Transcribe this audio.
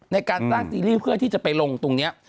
ในการสร้างซีรีส์เพื่อที่จะไปลงตรงนี้